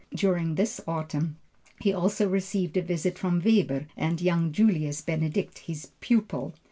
During this autumn he also received a visit from Weber and young Julius Benedict, his pupil.